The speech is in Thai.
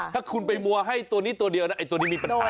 ถ้าคุณไปมัวให้ตัวนี้ตัวเดียวนะไอ้ตัวนี้มีปัญหา